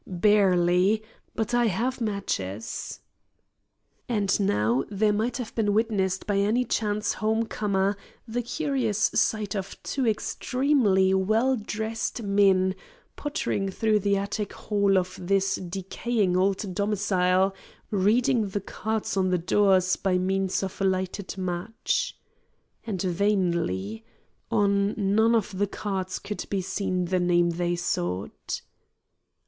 "Barely; but I have matches." And now there might have been witnessed by any chance home comer the curious sight of two extremely well dressed men pottering through the attic hall of this decaying old domicile, reading the cards on the doors by means of a lighted match. And vainly. On none of the cards could be seen the name they sought.